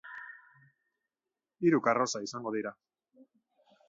Hiru karroza izango dira.